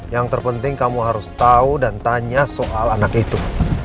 yang terpenting kamu harus tahu dan tanya soal anak itu